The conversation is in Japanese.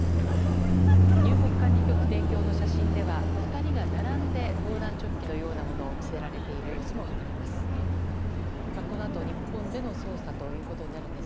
入国管理局提供の写真では２人が並んで防弾チョッキのようなものを着せられている様子も分かります。